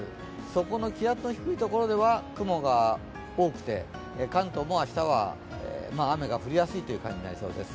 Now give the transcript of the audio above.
そこの気圧の低いところでは雲が多くて、関東も明日は雨が降りやすいという感じになりそうです。